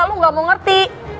lo gak mau ngerti